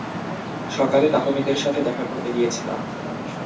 সকালে তাহমিদের সাথে দেখা করতে গিয়েছিলাম।